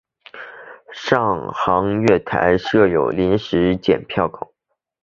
上行月台设有临时剪票口。